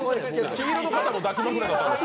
黄色の方も抱き枕だったんですか。